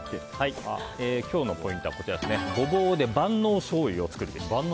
今日のポイントはゴボウで万能しょうゆを作るべし。